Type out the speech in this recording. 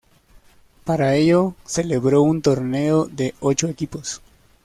Para ello, celebró un torneo de ocho equipos.